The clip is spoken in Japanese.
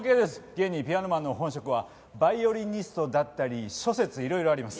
現にピアノマンの本職はヴァイオリニストだったり諸説いろいろあります。